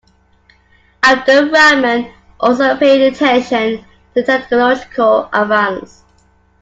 Abdur Rahman also paid attention to technological advance.